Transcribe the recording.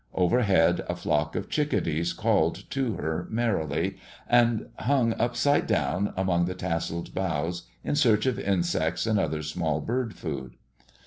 Overhead, a flock of chickadees called to her merrily, and hung upside down among the tasseled boughs in search of insects and other small bird food.